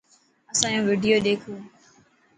اسان يو وڊيو ڏيکو.